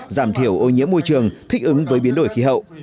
giảm thiểu ô nhiễm môi trường thích ứng với biến đổi khí hậu